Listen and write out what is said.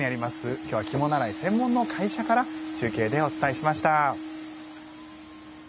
今日は着物洗い専門の会社から中継でお伝えしました。